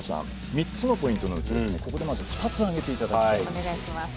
３つのポイントのうちここでまず２つ挙げていただきたいんですけど。